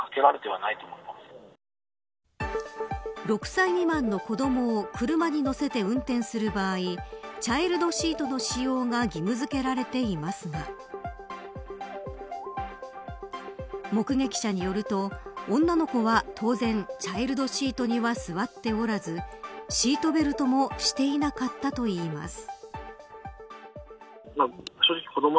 ６歳未満の子どもを車に乗せて運転する場合チャイルドシートの使用が義務付けられていますが目撃者によると、女の子は当然、チャイルドシートには座っておらずシートベルトもしていなかったといいます。